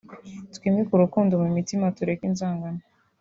Twimike urukundo mu mitima tureke inzangano